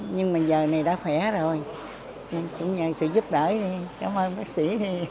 nhưng giờ này đã khỏe rồi cũng nhờ sự giúp đỡ đi cảm ơn bác sĩ